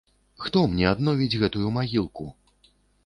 Хто мне адновіць гэтую магілку?